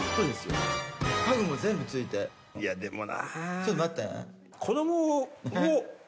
ちょっと待って。